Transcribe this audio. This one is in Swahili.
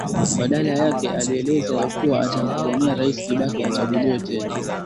Badala yake alieleza ya kuwa atampigania rais Kibaki achaguliwe tena